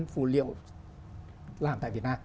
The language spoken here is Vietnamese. phù liệu làm tại việt nam